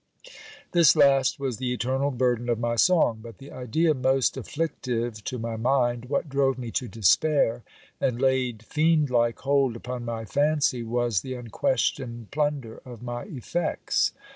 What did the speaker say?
This last was the eternal burden of my song. But the idea most afflictive to my mind, what drove me to despair, and laid fiend like hold upon my fancy, was the unquestioned plunder of my effects.